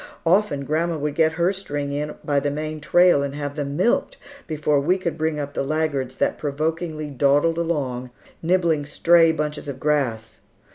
Often grandma would get her string in by the main trail and have them milked before we could bring up the laggards that provokingly dawdled along, nibbling stray bunches of grass.